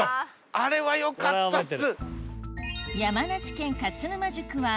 あれはよかったっす！